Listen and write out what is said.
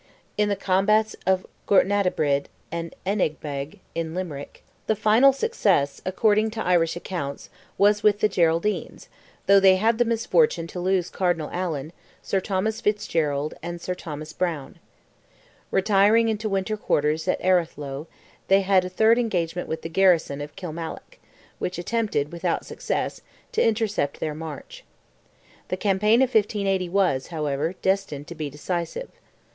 In the combats of Gortnatibrid and Enagbeg, in Limerick, the final success, according to Irish accounts, was with the Geraldines, though they had the misfortune to lose Cardinal Allen, Sir Thomas Fitzgerald and Sir Thomas Browne. Retiring into winter quarters at Aharlow, they had a third engagement with the garrison of Kilmallock, which attempted, without success, to intercept their march. The campaign of 1580 was, however, destined to be decisive.